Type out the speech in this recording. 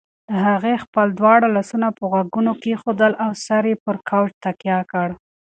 هغې خپل دواړه لاسونه پر غوږونو کېښودل او سر یې پر کوچ تکیه کړ.